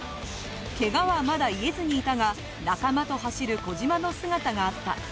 けがはまだ癒えずにいたが仲間と走る小島の姿があった。